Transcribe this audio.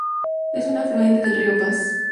Es un afluente del río Pas.